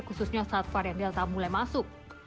khususnya saat varian delta mulai masuk